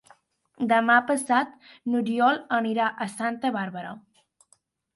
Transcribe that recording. Demà passat n'Oriol anirà a Santa Bàrbara.